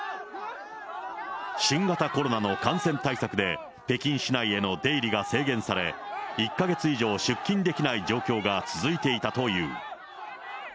新型コロナの感染対策で、北京市内への出入りが制限され、１か月以上出勤できない状況が続いていたという。